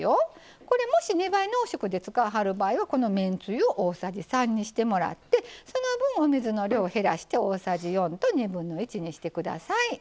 これもし２倍濃縮で使わはる場合はこのめんつゆを大さじ３にしてもらってその分お水の量を減らして大さじ４1/2にして下さい。